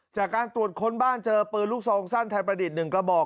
จากการตรวจค้นบ้านเจอปืนลูกซองสั้นไทยประดิษฐ์๑กระบอก